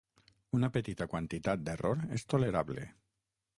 Una petita quantitat d'error és tolerable.